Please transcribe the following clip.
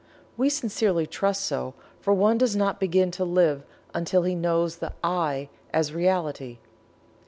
We sincerely trust so, for one does not begin to Live until he knows the "I" as Reality.